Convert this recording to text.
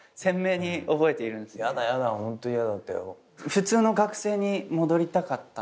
普通の学生に戻りたかったとか？